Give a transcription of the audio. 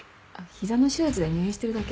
膝の手術で入院してるだけ。